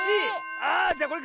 ああじゃこれか！